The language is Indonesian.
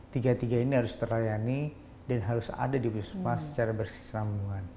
tiga tiga ini harus terlayani dan harus ada di puskesmas secara bersih selamunan